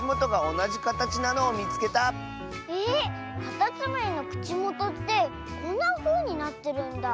カタツムリのくちもとってこんなふうになってるんだ。